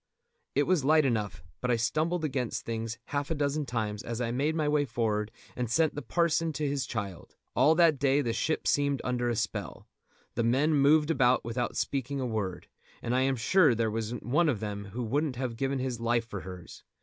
It was light enough, but I stumbled against things half a dozen times as I made my way forward and sent the parson to his child. All that day the ship seemed under a spell. The men moved about without speaking a word, and I am sure there wasn't one of them who wouldn't have given his life for hers.